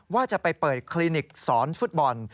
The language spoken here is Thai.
ว่าจะไปเปิดคลินิกสอนฟุตบอล